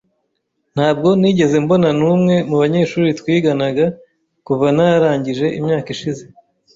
Ntabwo nigeze mbona numwe mubanyeshuri twiganaga kuva narangije imyaka ishize.